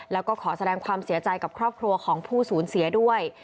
แล้วก็ขอแสดงความเสียใจกับครอบครัวของผู้สูญเสียด้วย